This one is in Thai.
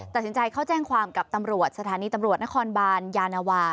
ตัดสินใจเข้าแจ้งความกับตำรวจสถานีตำรวจนครบานยานวา